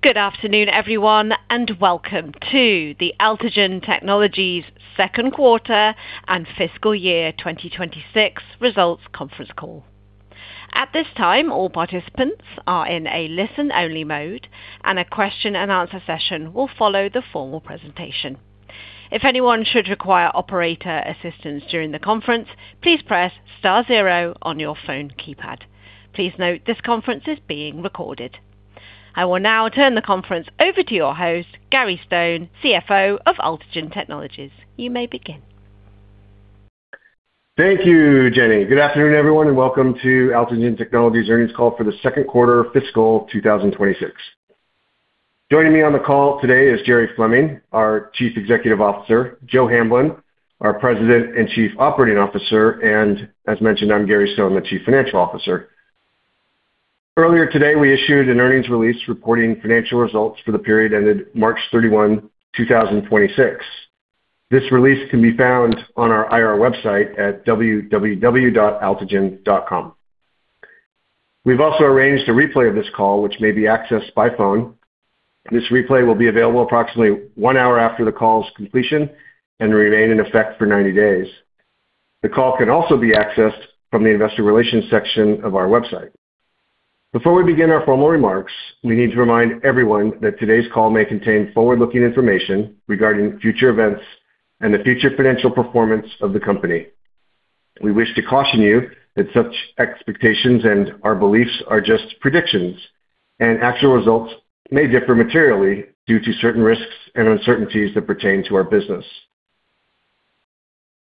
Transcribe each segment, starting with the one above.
Good afternoon, everyone, and welcome to the Altigen Technologies second quarter and fiscal year 2026 results conference call. At this time, all participants are in a listen-only mode, and a question-and-answer session will follow the formal presentation. If anyone should require operator assistance during the conference, please press star zero on your phone keypad. Please note this conference is being recorded. I will now turn the conference over to your host, Gary Stone, CFO of Altigen Technologies. You may begin. Thank you, Jenny. Good afternoon, everyone, and welcome to Altigen Technologies earnings call for the second quarter fiscal 2026. Joining me on the call today is Jerry Fleming, our Chief Executive Officer, Joe Hamblin, our President and Chief Operating Officer, and as mentioned, I'm Gary Stone, the Chief Financial Officer. Earlier today, we issued an earnings release reporting financial results for the period ended March 31, 2026. This release can be found on our IR website at www.altigen.com. We've also arranged a replay of this call, which may be accessed by phone. This replay will be available approximately 1 hour after the call's completion and remain in effect for 90 days. The call can also be accessed from the investor relations section of our website. Before we begin our formal remarks, we need to remind everyone that today's call may contain forward-looking information regarding future events and the future financial performance of the company. We wish to caution you that such expectations and our beliefs are just predictions, and actual results may differ materially due to certain risks and uncertainties that pertain to our business.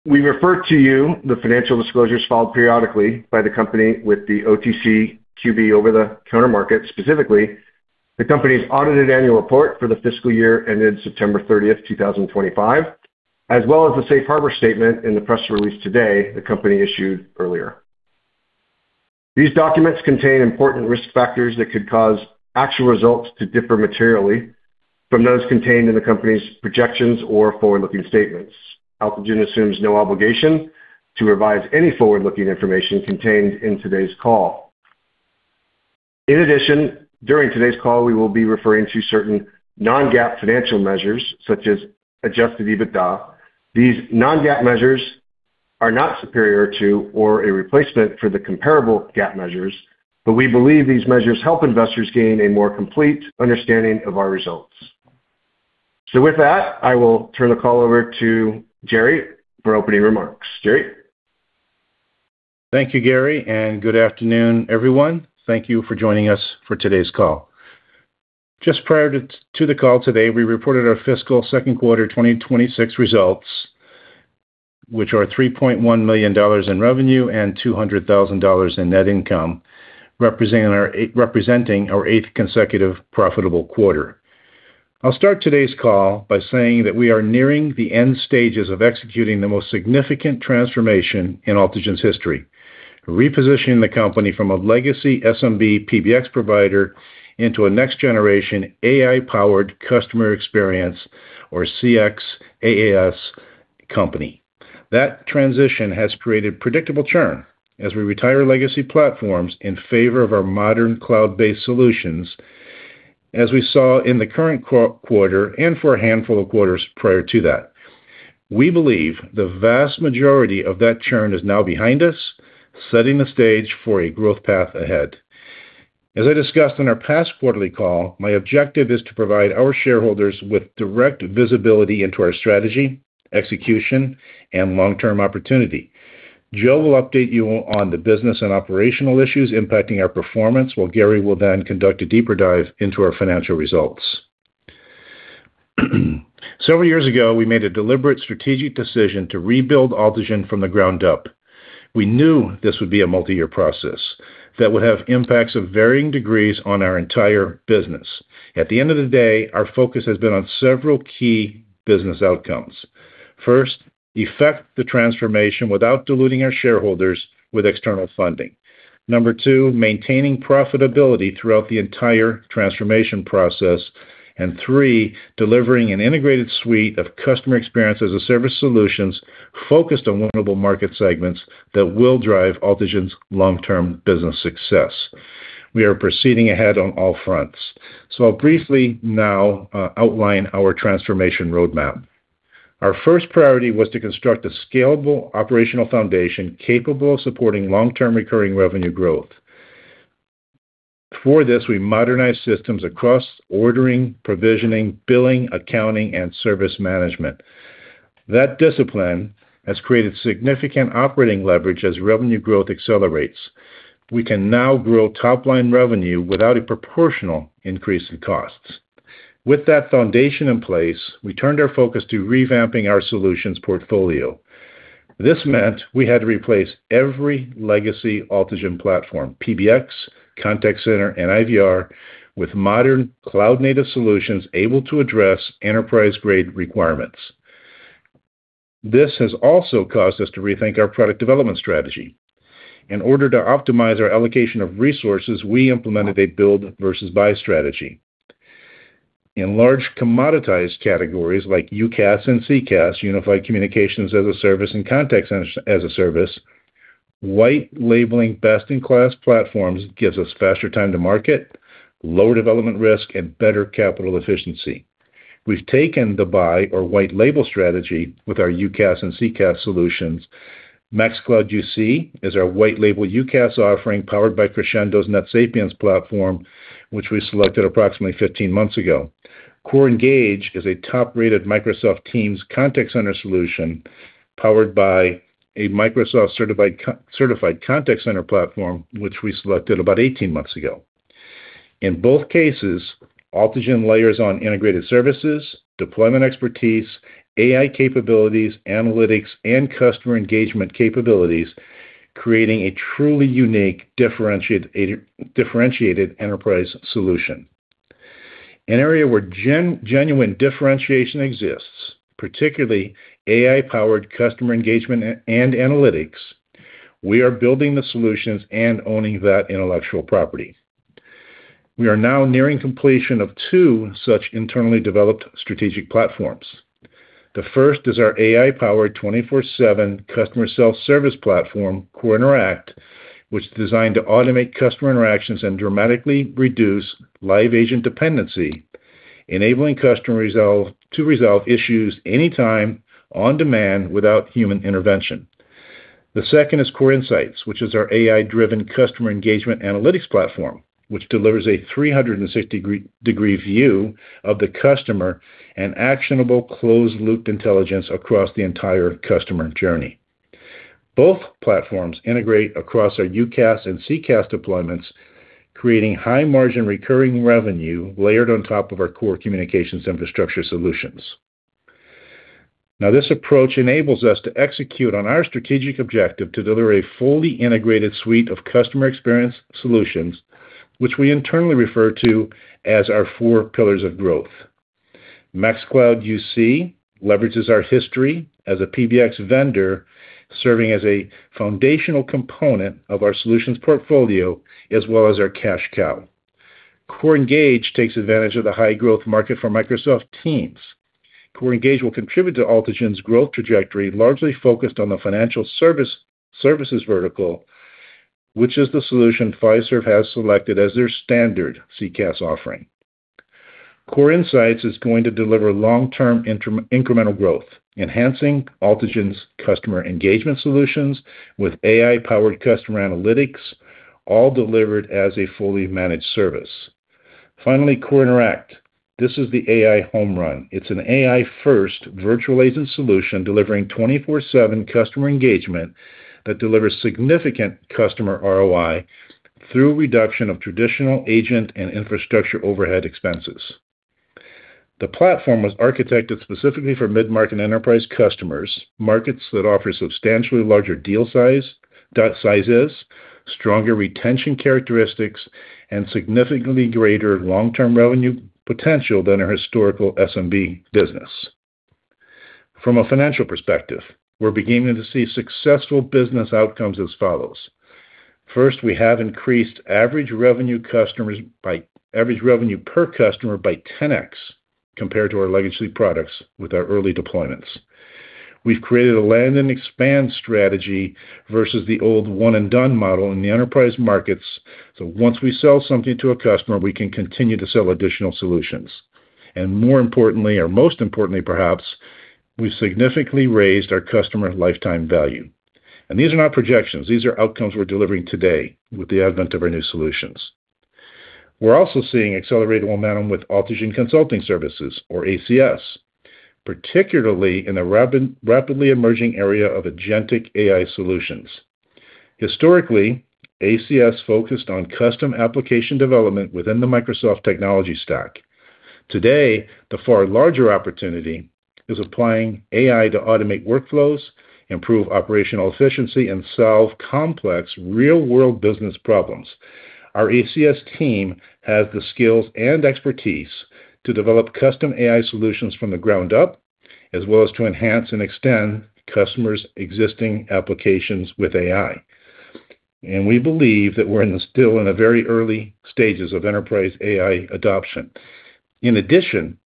We refer to you the financial disclosures filed periodically by the company with the OTCQB over-the-counter market, specifically the company's audited annual report for the fiscal year ended September 30, 2025, as well as the safe harbor statement in the press release today the company issued earlier. These documents contain important risk factors that could cause actual results to differ materially from those contained in the company's projections or forward-looking statements. Altigen assumes no obligation to revise any forward-looking information contained in today's call. In addition, during today's call, we will be referring to certain non-GAAP financial measures such as adjusted EBITDA. These non-GAAP measures are not superior to or a replacement for the comparable GAAP measures, but we believe these measures help investors gain a more complete understanding of our results. With that, I will turn the call over to Jerry for opening remarks. Jerry. Thank you, Gary, and good afternoon, everyone. Thank you for joining us for today's call. Just prior to the call today, we reported our fiscal 2nd quarter 2026 results, which are $3.1 million in revenue and $200,000 in net income, representing our 8th consecutive profitable quarter. I'll start today's call by saying that we are nearing the end stages of executing the most significant transformation in Altigen's history, repositioning the company from a legacy SMB PBX provider into a next-generation AI-powered customer experience or CXaaS company. That transition has created predictable churn as we retire legacy platforms in favor of our modern cloud-based solutions, as we saw in the current quarter and for a handful of quarters prior to that. We believe the vast majority of that churn is now behind us, setting the stage for a growth path ahead. As I discussed on our past quarterly call, my objective is to provide our shareholders with direct visibility into our strategy, execution, and long-term opportunity. Joe will update you on the business and operational issues impacting our performance, while Gary will then conduct a deeper dive into our financial results. Several years ago, we made a deliberate strategic decision to rebuild Altigen from the ground up. We knew this would be a multi-year process that would have impacts of varying degrees on our entire business. At the end of the day, our focus has been on several key business outcomes. First, effect the transformation without diluting our shareholders with external funding. Number 2, maintaining profitability throughout the entire transformation process. Three, delivering an integrated suite of Customer Experience as a Service solutions focused on winnable market segments that will drive Altigen's long-term business success. We are proceeding ahead on all fronts. I'll briefly now, outline our transformation roadmap. Our first priority was to construct a scalable operational foundation capable of supporting long-term recurring revenue growth. For this, we modernized systems across ordering, provisioning, billing, accounting, and service management. That discipline has created significant operating leverage as revenue growth accelerates. We can now grow top-line revenue without a proportional increase in costs. With that foundation in place, we turned our focus to revamping our solutions portfolio. This meant we had to replace every legacy Altigen platform, PBX, contact center, and IVR, with modern cloud-native solutions able to address enterprise-grade requirements. This has also caused us to rethink our product development strategy. In order to optimize our allocation of resources, we implemented a build versus buy strategy. In large commoditized categories like UCaaS and CCaaS, Unified Communications as a Service and Contact Center as a Service, white labeling best-in-class platforms gives us faster time to market, lower development risk, and better capital efficiency. We've taken the buy or white label strategy with our UCaaS and CCaaS solutions. MaxCloud UC is our white label UCaaS offering powered by Crexendo's NetSapiens platform, which we selected approximately 15 months ago. CoreEngage is a top-rated Microsoft Teams contact center solution powered by a Microsoft certified contact center platform, which we selected about 18 months ago. In both cases, Altigen layers on integrated services, deployment expertise, AI capabilities, analytics, and customer engagement capabilities, creating a truly unique differentiated enterprise solution. An area where genuine differentiation exists, particularly AI-powered customer engagement and analytics, we are building the solutions and owning that intellectual property. We are now nearing completion of two such internally developed strategic platforms. The first is our AI-powered 24/7 customer self-service platform, CoreInteract, which is designed to automate customer interactions and dramatically reduce live agent dependency, enabling customers to resolve issues anytime, on demand, without human intervention. The second is CoreInsights, which is our AI-driven customer engagement analytics platform, which delivers a 360-degree view of the customer and actionable closed-loop intelligence across the entire customer journey. Both platforms integrate across our UCaaS and CCaaS deployments, creating high margin recurring revenue layered on top of our core communications infrastructure solutions. This approach enables us to execute on our strategic objective to deliver a fully integrated suite of customer experience solutions, which we internally refer to as our four pillars of growth. MaxCloud UC leverages our history as a PBX vendor, serving as a foundational component of our solutions portfolio as well as our cash cow. CoreEngage takes advantage of the high growth market for Microsoft Teams. CoreEngage will contribute to Altigen's growth trajectory, largely focused on the financial services vertical, which is the solution Fiserv has selected as their standard CCaaS offering. CoreInsights is going to deliver long-term incremental growth, enhancing Altigen's customer engagement solutions with AI-powered customer analytics, all delivered as a fully managed service. CoreInteract. This is the AI home run. It's an AI-first virtual agent solution delivering 24/7 customer engagement that delivers significant customer ROI through reduction of traditional agent and infrastructure overhead expenses. The platform was architected specifically for mid-market enterprise customers, markets that offer substantially larger deal sizes, stronger retention characteristics, and significantly greater long-term revenue potential than our historical SMB business. From a financial perspective, we're beginning to see successful business outcomes as follows. First, we have increased average revenue per customer by 10x compared to our legacy products with our early deployments. We've created a land and expand strategy versus the old one and done model in the enterprise markets, so once we sell something to a customer, we can continue to sell additional solutions. More importantly, or most importantly perhaps, we've significantly raised our customer lifetime value. These are not projections. These are outcomes we're delivering today with the advent of our new solutions. We're also seeing accelerated momentum with Altigen Consulting Services or ACS, particularly in the rapidly emerging area of agentic AI solutions. Historically, ACS focused on custom application development within the Microsoft technology stack. Today, the far larger opportunity is applying AI to automate workflows, improve operational efficiency, and solve complex real-world business problems. Our ACS team has the skills and expertise to develop custom AI solutions from the ground up, as well as to enhance and extend customers' existing applications with AI. We believe that we're still in the very early stages of enterprise AI adoption. In addition,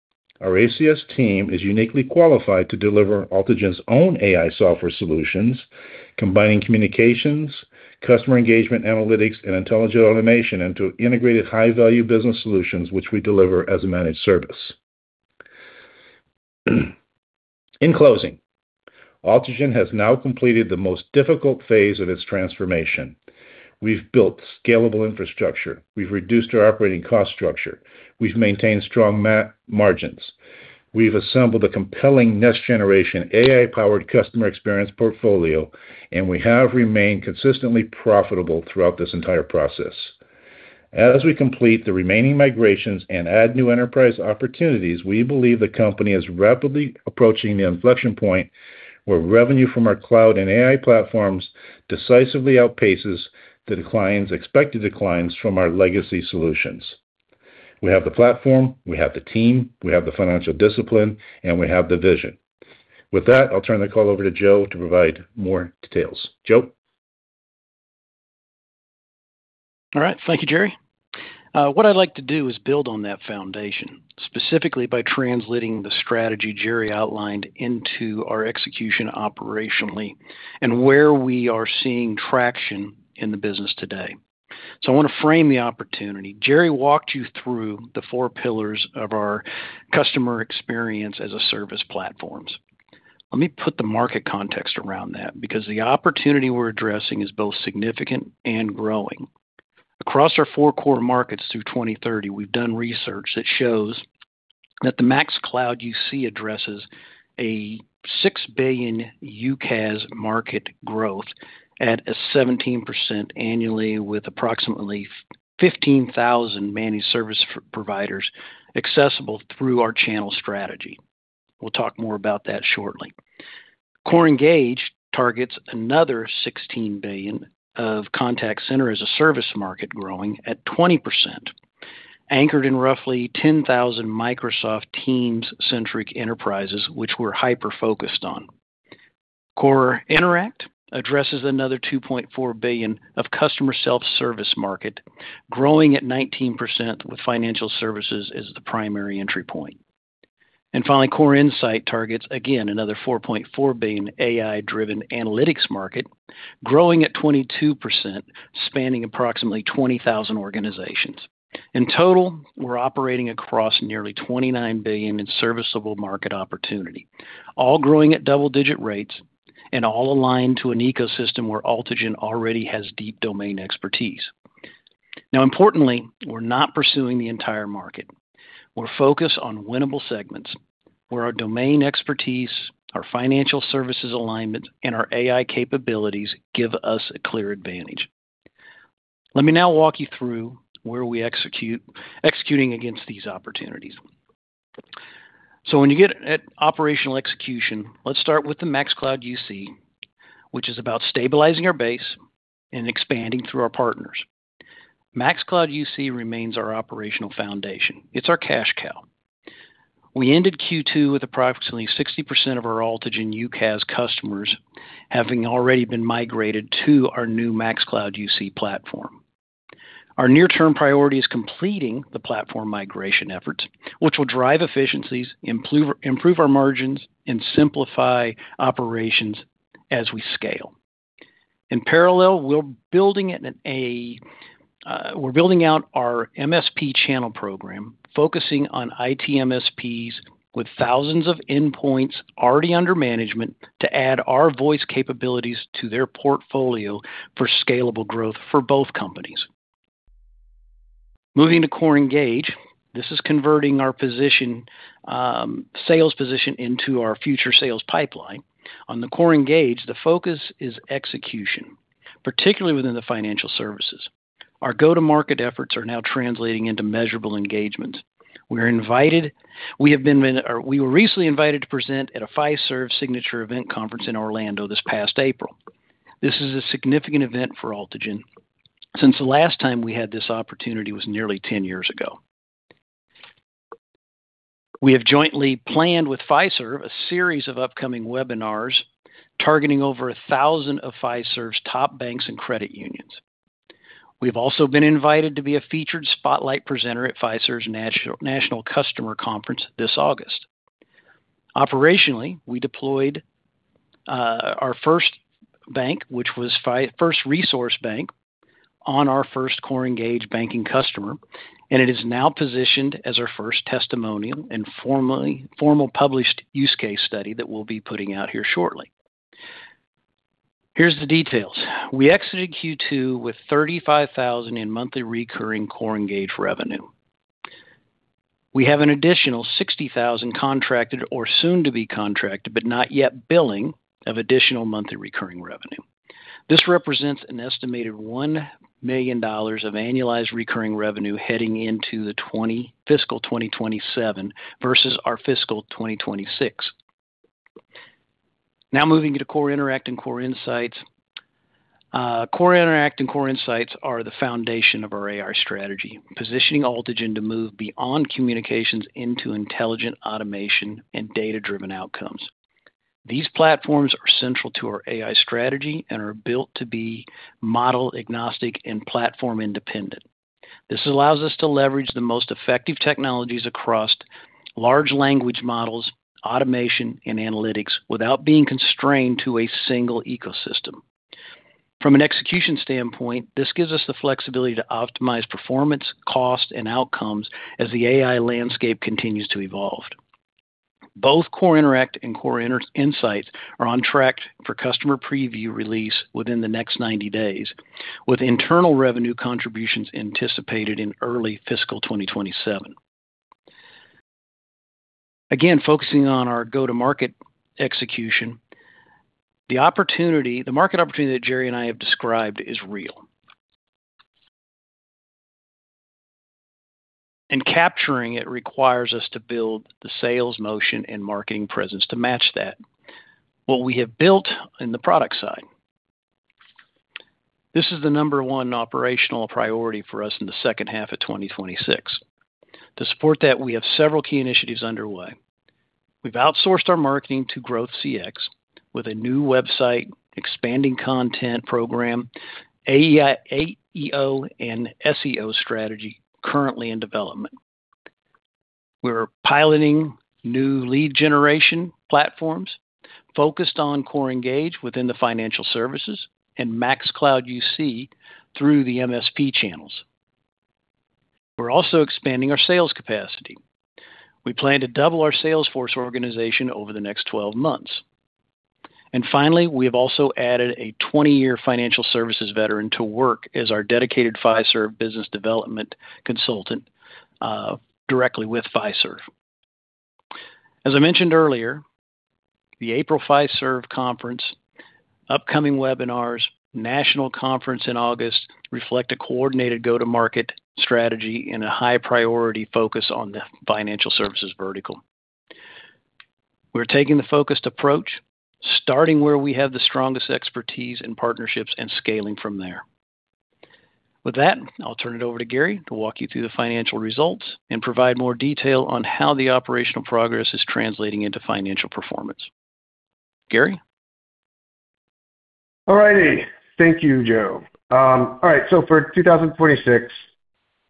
our ACS team is uniquely qualified to deliver Altigen's own AI software solutions, combining communications, customer engagement analytics, and intelligent automation into integrated high-value business solutions which we deliver as a managed service. In closing, Altigen has now completed the most difficult phase of its transformation. We've built scalable infrastructure. We've reduced our operating cost structure. We've maintained strong margins. We've assembled a compelling next generation AI-powered customer experience portfolio, and we have remained consistently profitable throughout this entire process. As we complete the remaining migrations and add new enterprise opportunities, we believe the company is rapidly approaching the inflection point where revenue from our cloud and AI platforms decisively outpaces the declines, expected declines from our legacy solutions. We have the platform, we have the team, we have the financial discipline, and we have the vision. With that, I'll turn the call over to Joe to provide more details. Joe? All right. Thank you, Jerry. What I'd like to do is build on that foundation, specifically by translating the strategy Jerry outlined into our execution operationally and where we are seeing traction in the business today. I wanna frame the opportunity. Jerry walked you through the four pillars of our customer experience as a service platforms. Let me put the market context around that, because the opportunity we're addressing is both significant and growing. Across our four core markets through 2030, we've done research that shows that the MaxCloud UC addresses a $6 billion UCaaS market growth at a 17% annually with approximately 15,000 managed service providers accessible through our channel strategy. We'll talk more about that shortly. CoreEngage targets another $16 billion of Contact Center as a Service market growing at 20%, anchored in roughly 10,000 Microsoft Teams centric enterprises which we're hyper-focused on. CoreInteract addresses another $2.4 billion of customer self-service market, growing at 19% with financial services as the primary entry point. Finally, CoreInsights targets, again, another $4.4 billion AI-driven analytics market, growing at 22%, spanning approximately 20,000 organizations. In total, we're operating across nearly $29 billion in serviceable market opportunity, all growing at double-digit rates and all aligned to an ecosystem where Altigen already has deep domain expertise. Now, importantly, we're not pursuing the entire market. We're focused on winnable segments where our domain expertise, our financial services alignment, and our AI capabilities give us a clear advantage. Let me now walk you through where we executing against these opportunities. When you get at operational execution, let's start with the MaxCloud UC, which is about stabilizing our base and expanding through our partners. MaxCloud UC remains our operational foundation. It's our cash cow. We ended Q2 with approximately 60% of our Altigen UCaaS customers having already been migrated to our new MaxCloud UC platform. Our near-term priority is completing the platform migration efforts, which will drive efficiencies, improve our margins, and simplify operations as we scale. In parallel, we're building out our MSP channel program, focusing on IT MSPs with thousands of endpoints already under management to add our voice capabilities to their portfolio for scalable growth for both companies. Moving to CoreEngage, this is converting our position, sales position into our future sales pipeline. On the CoreEngage, the focus is execution, particularly within the financial services. Our go-to-market efforts are now translating into measurable engagement. We were recently invited to present at a Fiserv signature event conference in Orlando this past April. This is a significant event for Altigen since the last time we had this opportunity was nearly 10 years ago. We have jointly planned with Fiserv a series of upcoming webinars targeting over 1,000 of Fiserv's top banks and credit unions. We've also been invited to be a featured spotlight presenter at Fiserv's National Customer Conference this August. Operationally, we deployed our first bank, which was First Resource Bank on our first CoreEngage banking customer, and it is now positioned as our first testimonial and formal published use case study that we'll be putting out here shortly. Here's the details. We exited Q2 with $35,000 in monthly recurring CoreEngage revenue. We have an additional 60,000 contracted or soon to be contracted, but not yet billing of additional monthly recurring revenue. This represents an estimated $1 million of annualized recurring revenue heading into the fiscal 2027 versus our fiscal 2026. Moving to CoreInteract and CoreInsights. CoreInteract and CoreInsights are the foundation of our AI strategy, positioning Altigen to move beyond communications into intelligent automation and data-driven outcomes. These platforms are central to our AI strategy and are built to be model agnostic and platform independent. This allows us to leverage the most effective technologies across large language models, automation, and analytics without being constrained to a single ecosystem. From an execution standpoint, this gives us the flexibility to optimize performance, cost, and outcomes as the AI landscape continues to evolve. Both CoreInteract and CoreInsights are on track for customer preview release within the next 90 days, with internal revenue contributions anticipated in early fiscal 2027. Again, focusing on our go-to-market execution, the market opportunity that Jerry and I have described is real. Capturing it requires us to build the sales motion and marketing presence to match that, what we have built in the product side. This is the number one operational priority for us in the second half of 2026. To support that, we have several key initiatives underway. We've outsourced our marketing to growth.cx with a new website, expanding content program, AEO and SEO strategy currently in development. We're piloting new lead generation platforms focused on CoreEngage within the financial services and MaxCloud UC through the MSP channels. We're also expanding our sales capacity. We plan to double our sales force organization over the next 12 months. Finally, we have also added a 20-year financial services veteran to work as our dedicated Fiserv business development consultant, directly with Fiserv. I mentioned earlier, the April Fiserv conference, upcoming webinars, national conference in August reflect a coordinated go-to-market strategy and a high-priority focus on the financial services vertical. We're taking the focused approach, starting where we have the strongest expertise and partnerships, and scaling from there. With that, I'll turn it over to Gary to walk you through the financial results and provide more detail on how the operational progress is translating into financial performance. Gary? All righty. Thank you, Joe. All right. For 2026,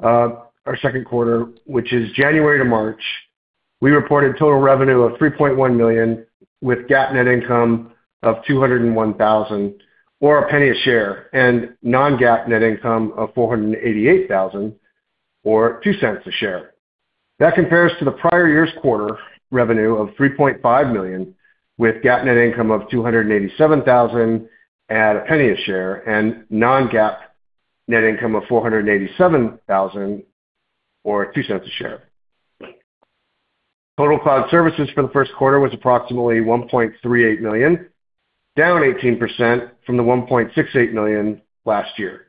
our second quarter, which is January to March, we reported total revenue of $3.1 million, with GAAP net income of $201,000 or $0.01 a share, and non-GAAP net income of $488,000 or $0.02 a share. That compares to the prior year's quarter revenue of $3.5 million, with GAAP net income of $287,000 at $0.01 a share, and non-GAAP net income of $487,000 or $0.02 a share. Total cloud services for the first quarter was approximately $1.38 million, down 18% from the $1.68 million last year.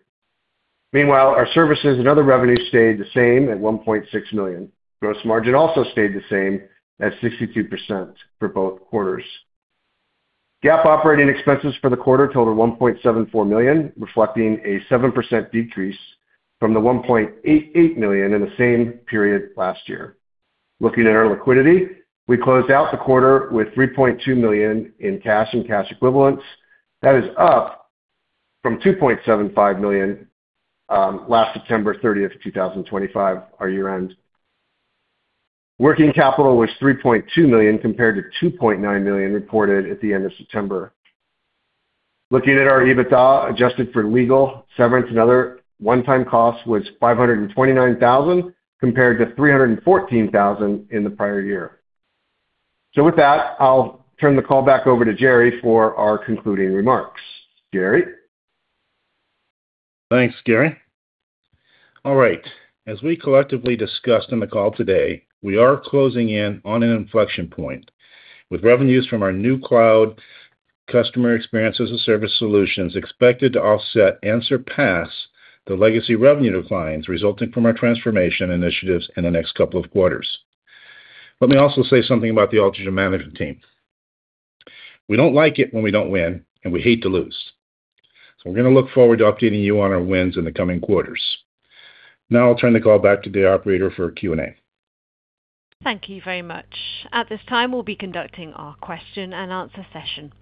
Meanwhile, our services and other revenues stayed the same at $1.6 million. Gross margin also stayed the same at 62% for both quarters. GAAP operating expenses for the quarter totaled $1.74 million, reflecting a 7% decrease from the $1.88 million in the same period last year. Looking at our liquidity, we closed out the quarter with $3.2 million in cash and cash equivalents. That is up from $2.75 million last September 30, 2025, our year-end. Working capital was $3.2 million compared to $2.9 million reported at the end of September. Looking at our EBITDA, adjusted for legal, severance, and other one-time costs was $529,000 compared to $314,000 in the prior year. With that, I'll turn the call back over to Jerry for our concluding remarks. Jerry? Thanks, Gary. All right. As we collectively discussed on the call today, we are closing in on an inflection point, with revenues from our new cloud customer experience as a service solution is expected to offset and surpass the legacy revenue declines resulting from our transformation initiatives in the next couple of quarters. Let me also say something about the Altigen management team. We don't like it when we don't win, and we hate to lose, so we're gonna look forward to updating you on our wins in the coming quarters. Now I'll turn the call back to the operator for Q&A. Thank you very much. At this time, we'll be conducting our question-and-answer session.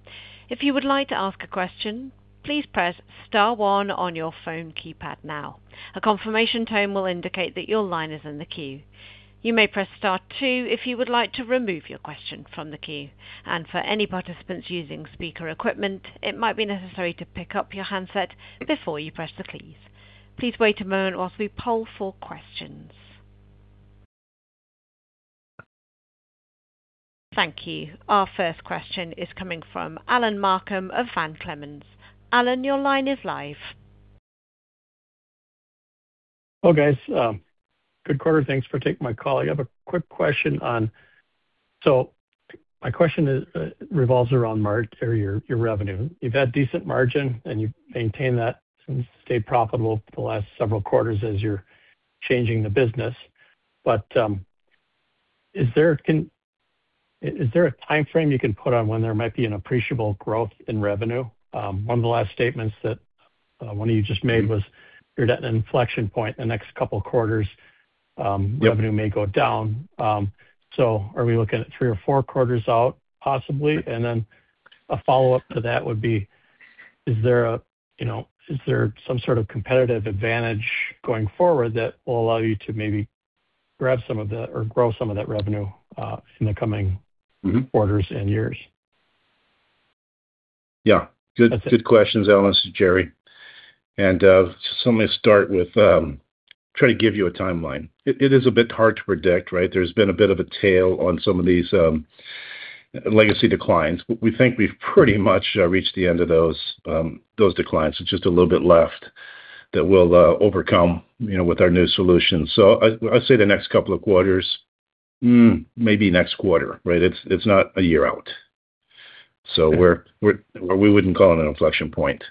If you would like to ask a question, please press star one on your phone keypad now. A confirmation tone will indicate that your line is in the queue. You may press star two if you would like to remove your question from the queue. For any participants using speaker equipment, it might be necessary to pick up your handset before you press the keys. Please wait a moment whilst we poll for questions. Thank you. Our first question is coming from Alan Markham of Van Clemens. Alan, your line is live. Well, guys, good quarter. Thanks for taking my call. I have a quick question on My question is, revolves around your revenue. You've had decent margin, and you've maintained that and stayed profitable for the last several quarters as you're changing the business. Is there a timeframe you can put on when there might be an appreciable growth in revenue? One of the last statements that, one of you just made was you're at an inflection point. The next couple quarters, Yep revenue may go down. Are we looking at three or four quarters out, possibly? A follow-up to that would be, is there a, you know, is there some sort of competitive advantage going forward that will allow you to maybe grab some of the or grow some of that revenue. Quarters and years? Yeah. Good, good questions, Alan. This is Jerry. So I'm gonna start with trying to give you a timeline. It is a bit hard to predict, right? There's been a bit of a tail on some of these legacy declines. We think we've pretty much reached the end of those those declines. There's just a little bit left that we'll overcome, you know, with our new solutions. I'd say the next couple of quarters. Maybe next quarter, right? It's not a year out. We wouldn't call it an inflection point.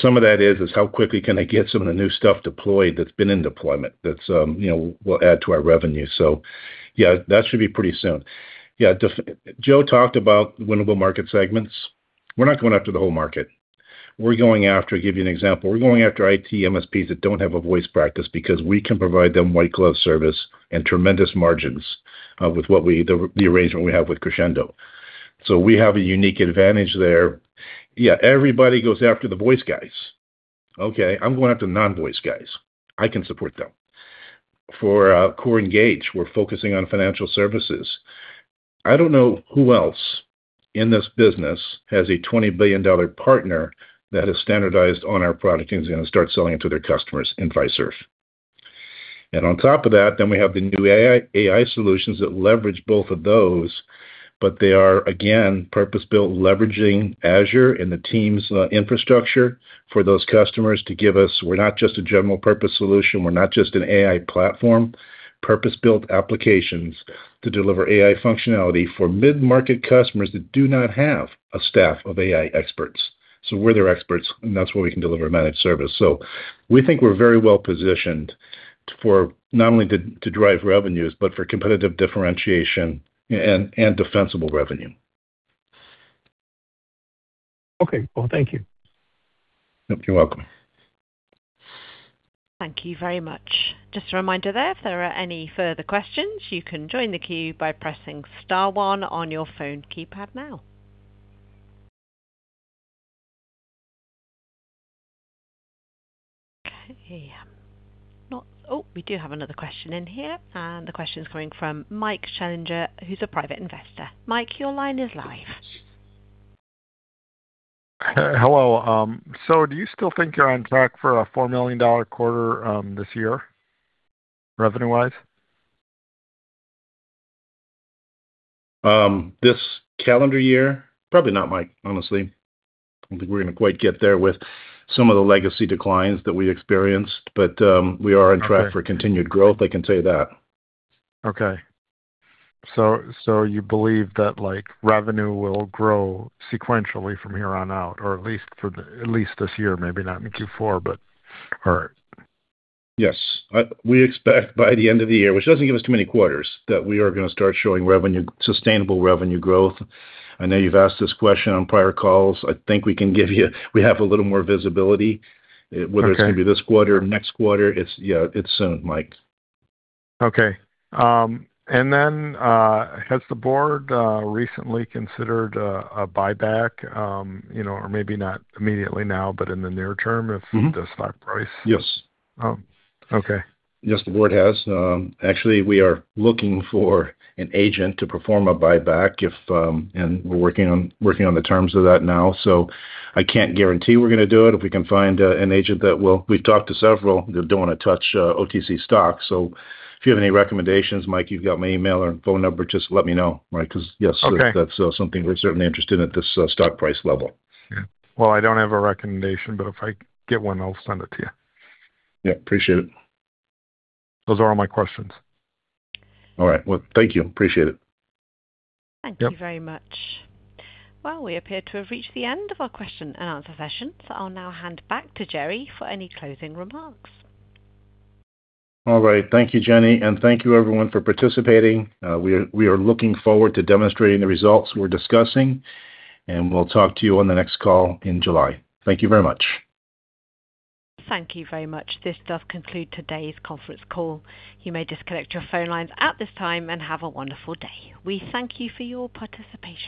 Some of that is how quickly can I get some of the new stuff deployed that's been in deployment that's, you know, will add to our revenue. Yeah, that should be pretty soon. Yeah. Joe talked about winnable market segments. We're not going after the whole market. We're going after I'll give you an example. We're going after IT MSPs that don't have a voice practice because we can provide them white glove service and tremendous margins with the arrangement we have with Crexendo. We have a unique advantage there. Yeah, everybody goes after the voice guys. Okay, I'm going after non-voice guys. I can support them. For CoreEngage, we're focusing on financial services. I don't know who else in this business has a $20 billion partner that has standardized on our product and is going to start selling it to their customers and vice versa. On top of that, we have the new AI solutions that leverage both of those, but they are, again, purpose-built, leveraging Azure and the Teams infrastructure for those customers to give us. We're not just a general purpose solution. We're not just an AI platform. Purpose-built applications to deliver AI functionality for mid-market customers that do not have a staff of AI experts. We're their experts, and that's where we can deliver managed service. We think we're very well-positioned for not only to drive revenues, but for competitive differentiation and defensible revenue. Okay. Well, thank you. You're welcome. Thank you very much. Just a reminder there, if there are any further questions, you can join the queue by pressing star one on your phone keypad now. Okay. Oh, we do have another question in here, and the question is coming from Mike Schillinger, who's a private investor. Mike, your line is live. Hello. Do you still think you're on track for a $4 million quarter this year, revenue-wise? This calendar year? Probably not, Mike, honestly. I don't think we're gonna quite get there with some of the legacy declines that we experienced. We are on track. Okay for continued growth, I can tell you that. Okay. You believe that like revenue will grow sequentially from here on out, or at least this year, maybe not in Q4? All right. Yes. We expect by the end of the year, which doesn't give us too many quarters, that we are gonna start showing sustainable revenue growth. I know you've asked this question on prior calls. We have a little more visibility. Okay. Whether it's gonna be this quarter or next quarter, it's, yeah, it's soon, Mike. Okay. Has the board recently considered a buyback, you know, or maybe not immediately now, but in the near term? The stock price- Yes. Okay. Yes, the board has. Actually, we are looking for an agent to perform a buyback. We're working on the terms of that now. I can't guarantee we're gonna do it. If we can find an agent that will. We've talked to several that don't want to touch OTC stocks. If you have any recommendations, Mike, you've got my email or phone number, just let me know, right. Okay That's something we're certainly interested in at this stock price level. Yeah. Well, I don't have a recommendation, but if I get one, I'll send it to you. Yeah, appreciate it. Those are all my questions. All right. Well, thank you. Appreciate it. Thank you very much. We appear to have reached the end of our question and answer session, so I'll now hand back to Jerry for any closing remarks. All right. Thank you, Jenny. Thank you everyone for participating. We are looking forward to demonstrating the results we're discussing. We'll talk to you on the next call in July. Thank you very much. Thank you very much. This does conclude today's conference call. You may disconnect your phone lines at this time and have a wonderful day. We thank you for your participation